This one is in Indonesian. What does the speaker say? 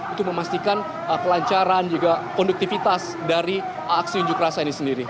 untuk memastikan kelancaran juga konduktivitas dari aksi unjuk rasa ini sendiri